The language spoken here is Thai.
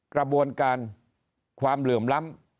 กระบวนการความเหลื่อมล้ำ